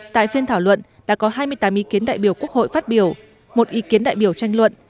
tại phiên thảo luận đã có hai mươi tám ý kiến đại biểu quốc hội phát biểu một ý kiến đại biểu tranh luận